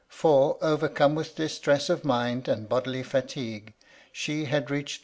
For, overcome with distress of mind and bodily fatigue, she had reached MY LADY LUDLOW.